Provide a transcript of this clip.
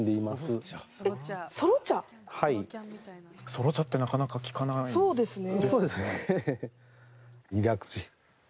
ソロ茶ってなかなか聞かないですね。